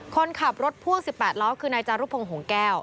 คนขับรถพ่วง๑๘ล้อคือนายจารุพงศ์หงแก้ว